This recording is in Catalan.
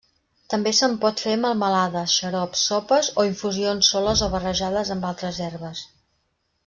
També se'n pot fer melmelades, xarops, sopes o infusions soles o barrejades amb altres herbes.